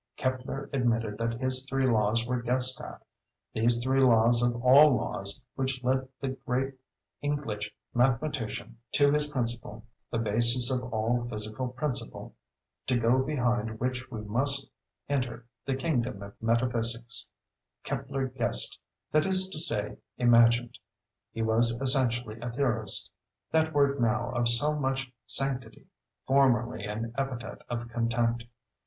Kepler admitted that his three laws were guessed at—these three laws of all laws which led the great Inglitch mathematician to his principle, the basis of all physical principle—to go behind which we must enter the Kingdom of Metaphysics: Kepler guessed—that is to say imagined. He was essentially a "theorist"—that word now of so much sanctity, formerly an epithet of contempt.